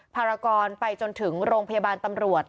ภารกรไปจนถึงโรงพยาบาลตำรวจ